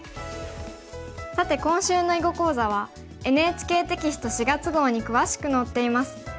さて今週の囲碁講座はＮＨＫテキスト４月号に詳しく載っています。